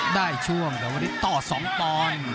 ได้ช่วงแต่วันนี้ต่อสองตอน